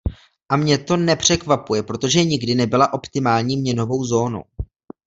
A mě to nepřekvapuje, protože nikdy nebyla optimální měnovou zónou.